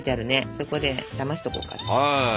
そこで冷ましとこうか。